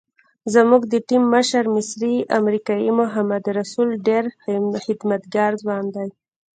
زموږ د ټیم مشر مصری امریکایي محمد رسول ډېر خدمتګار ځوان دی.